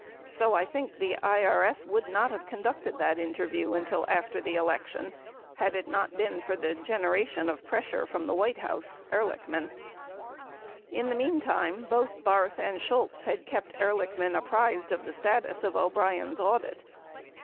So, I think IRS would have not have conducted that interview until after the election had it not been for the generation of pressure from the White House, Ehrlich man; . 17 In the meantime, both Barth and Shultz had kept Ehrlichman ap prised of the status of O'Brien's audit.